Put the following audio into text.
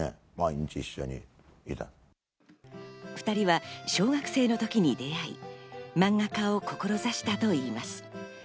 ２人は小学生の時に出会い、漫画家を志したといいます。